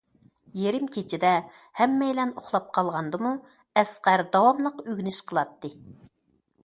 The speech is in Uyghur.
يېرىم كېچىدە ھەممەيلەن ئۇخلاپ قالغاندىمۇ ئەسقەر داۋاملىق ئۆگىنىش قىلاتتى.